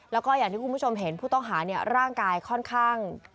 แล้วก็อย่างที่คุณผู้ชมเห็นผู้ต้องหาร่างกายค่อนข้าง